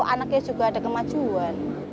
anaknya juga ada kemajuan